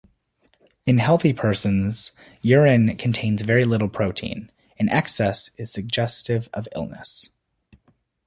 In healthy persons, urine contains very little protein; an excess is suggestive of illness.